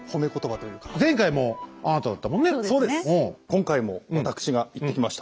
今回もわたくしが行ってきました。